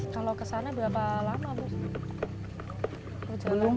kalau kesana berapa lama